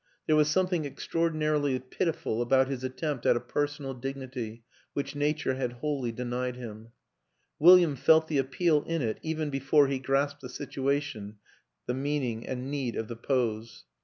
There was something extraordinarily pitiful about his attempt at a personal dignity which na ture had wholly denied him; William felt the ap peal in it even before he grasped the situation the meaning and need of the pose.